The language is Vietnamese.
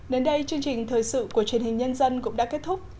đến đây chương trình thời sự của truyền hình nhân dân cũng đã kết thúc